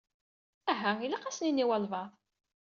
Ahat ilaq ad s-nini i walebɛaḍ.